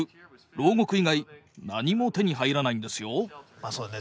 まあそうよね。